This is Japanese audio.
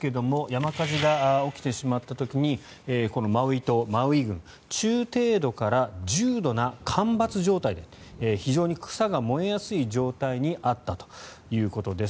更に気候ですが山火事が起きてしまった時にこのマウイ島、マウイ郡中程度から重度の干ばつ状態で非常に草が燃えやすい状態にあったということです。